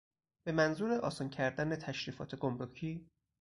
به منظور آسان کردن تشریفات گمرکی